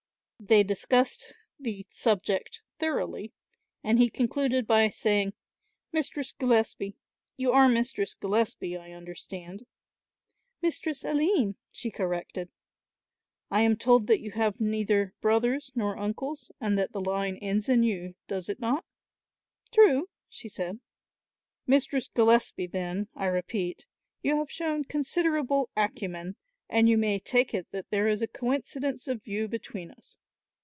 They discussed the subject thoroughly and he concluded by saying, "Mistress Gillespie, you are Mistress Gillespie, I understand?" "Mistress Aline," she corrected. "I am told that you have neither brothers nor uncles and that the line ends in you, does it not?" "True," she said. "Mistress Gillespie, then, I repeat, you have shown considerable acumen and you may take it that there is a coincidence of view between us.